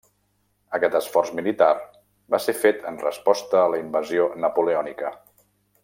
Aquest esforç militar va ser fet en resposta a la invasió napoleònica.